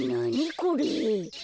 これ。